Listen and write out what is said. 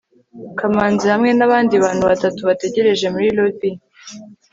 kamanzi hamwe nabandi bantu batatu bategereje muri lobby